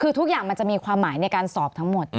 คือทุกอย่างมันจะมีความหมายในการสอบทั้งหมด